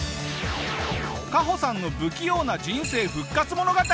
カホさんの不器用な人生復活物語。